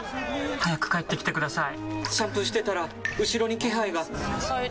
早く帰ってきてください！